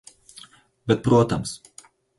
Bet protams.